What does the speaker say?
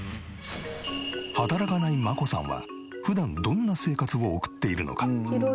働かない真子さんは普段どんな生活を送っているのか？